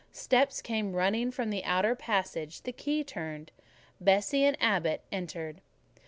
Steps came running along the outer passage; the key turned, Bessie and Abbot entered.